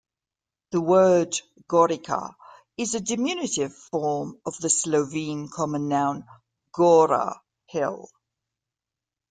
The word "gorica" is a diminutive form of the Slovene common noun "gora" 'hill'.